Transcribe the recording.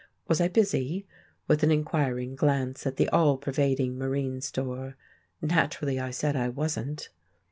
Was I busy? (with an inquiring glance at the all pervading marine store). Naturally I said I wasn't.